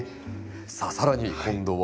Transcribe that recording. さあ更に今度は？